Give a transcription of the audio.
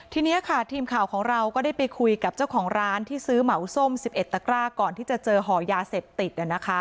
ทีนี้ค่ะทีมข่าวของเราก็ได้ไปคุยกับเจ้าของร้านที่ซื้อเหมาส้ม๑๑ตะกร้าก่อนที่จะเจอห่อยาเสพติด